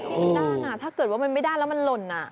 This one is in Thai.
โอ้โฮดีนะด้านอ่ะถ้าเกิดว่ามันไม่ด้านแล้วมันหล่นอ่ะ